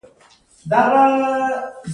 څو د لمرونو کټوري